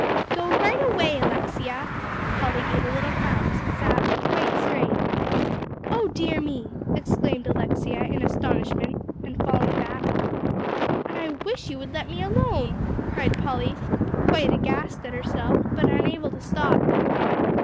"Go right away, Alexia." Polly gave a little flounce, and sat quite straight. "Oh dear me!" exclaimed Alexia in astonishment, and falling back. "And I wish you would let me alone," cried Polly, quite aghast at herself, but unable to stop.